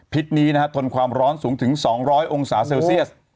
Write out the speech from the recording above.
นี้นะฮะทนความร้อนสูงถึง๒๐๐องศาเซลเซียส